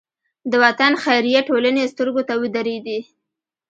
د وطن خیریه ټولنې سترګو ته ودرېدې.